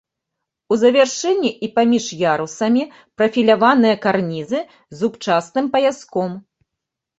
У завяршэнні і паміж ярусамі прафіляваныя карнізы з зубчастым паяском.